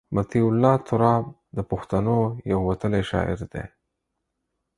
مطیع الله تراب د پښتنو یو وتلی شاعر دی.